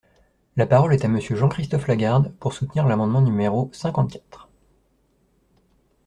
La parole est à Monsieur Jean-Christophe Lagarde, pour soutenir l’amendement numéro cinquante-quatre.